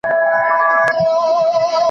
هغه خبریال چې راپور یې جوړ کړ ډېر مشهور شو.